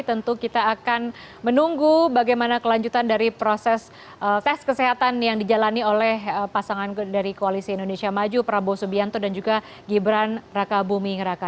tentu kita akan menunggu bagaimana kelanjutan dari proses tes kesehatan yang dijalani oleh pasangan dari koalisi indonesia maju prabowo subianto dan juga gibran raka buming raka